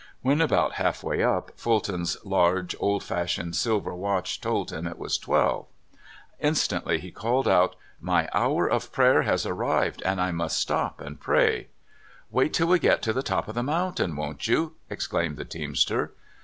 When about half way up, Fulton's large, old fashioned silver watch told him it was twelve. Instantly he called out: " My hour of prayer has arrived, and I must stop and pray." " Wait till we get to the top of the mountain, won't you?" exclaimed the teamster.